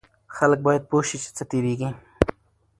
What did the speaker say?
خلک باید پوه شي چې څه تیریږي.